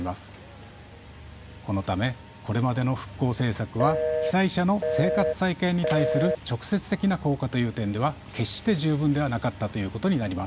このためこれまでの復興政策は被災者の生活再建に対する直接的な効果という点では決して十分ではなかったということになります。